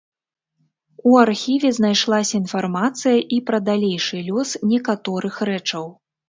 У архіве знайшлася інфармацыя і пра далейшы лёс некаторых рэчаў.